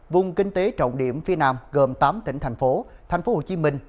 vùng kinh tế trọng điểm phía nam gồm tám tỉnh thành phố thành phố hồ chí minh